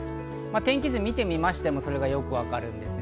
天気図を見てみましても、それがよくわかります。